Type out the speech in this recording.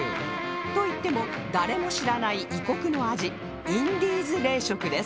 といっても誰も知らない異国の味インディーズ冷食です